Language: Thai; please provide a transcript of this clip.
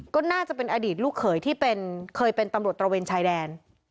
ก็น่าจะเป็นอดีตลูกเขยที่เคยเป็นตำรวจตระเวนชายแดน